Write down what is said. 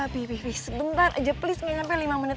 pi sebentar aja please enggak sampai lima menit